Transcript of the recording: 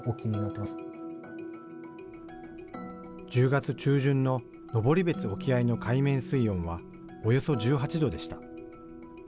１０月中旬の登別沖合の海面水温はおよそ１８度でした。